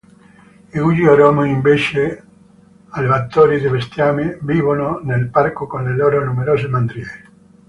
I Guji-Oromo, invece, allevatori di bestiame, vivono nel parco con le loro numerose mandrie.